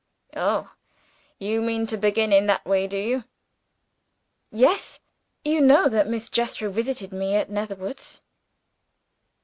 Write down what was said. "Oh! You mean to begin in that way, do you?" "Yes. You know that Miss Jethro visited me at Netherwoods?"